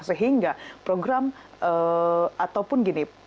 dan ataupun gini